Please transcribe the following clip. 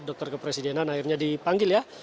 dokter kepresidenan akhirnya dipanggil ya